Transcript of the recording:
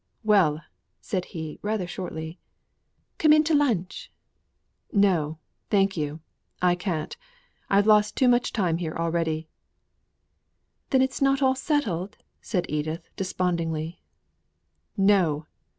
"Well!" said he, rather shortly. "Come in to lunch!" "No, thank you, I can't. I've lost too much time here already." "Then it's not all settled?" said Edith, despondingly. "No!